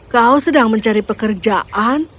kau sedang mencari pekerjaan